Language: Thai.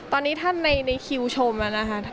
ตอนนี้ท่านในคิวชมนะคะ